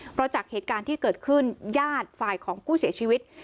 เพราะจากเหตุการณ์ที่เกิดขึ้นญาติฝ่ายของผู้เสียชีวิต